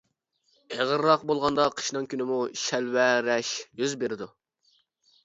ئېغىرراق بولغاندا قىشنىڭ كۈنىمۇ شەلۋەرەش يۈز بېرىدۇ.